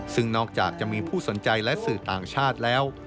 ซึ่งนอกจากจะมีผู้สนใจและสื่อต่างชาติแล้ว